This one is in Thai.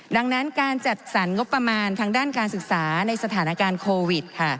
ดังนั้นการจัดสรรงบประมาณทางด้านการศึกษาในสถานการณ์โควิดค่ะ